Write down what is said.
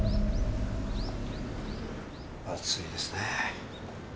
暑いですね。